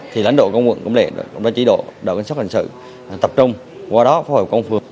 thì lãnh đạo công quận cẩm lệ đã chỉ đổ đạo quan sát hình sự tập trung qua đó phóng hợp công phường